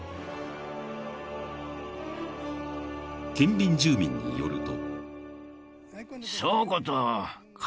［近隣住民によると］